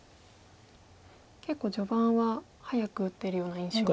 結構序盤は早く打ってるような印象が。